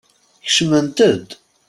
Kecmemt-d!